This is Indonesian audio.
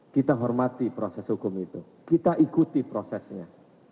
kita hormati proses hukum itu kita ikuti prosesnya